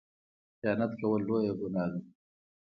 خیانت کول لویه ګناه ده